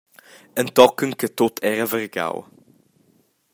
Entochen che tut era vargau.